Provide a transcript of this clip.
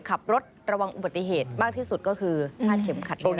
ขับรถระวังอุบัติเหตุมากที่สุดก็คือพาดเข็มขัดด้วยนะ